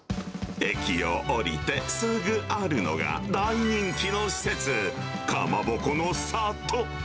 駅を降りてすぐあるのが大人気の施設、かまぼこの里。